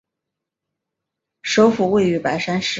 首府位于白山市。